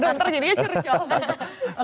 aduh ntar jadinya cercol